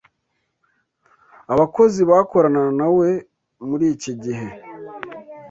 abakozi bakorana na We muri iki gihe